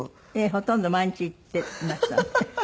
ほとんど毎日行ってましたね。